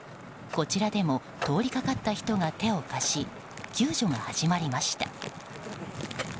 こちらでも通りかかった人が手を貸し救助が始まりました。